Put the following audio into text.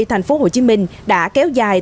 thành phố hồ chí minh đã kéo dài